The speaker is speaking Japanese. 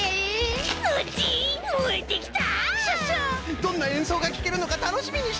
どんなえんそうがきけるのかたのしみにしとるぞい！